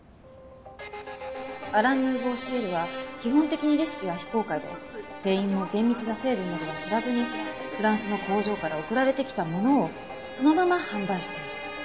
アラン・ヌーボー・シエルは基本的にレシピは非公開で店員も厳密な成分までは知らずにフランスの工場から送られてきたものをそのまま販売している。